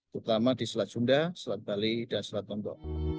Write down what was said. terutama di selat junda selat bali dan selat tondo